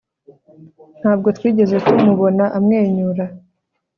ntabwo twigeze tumubona amwenyura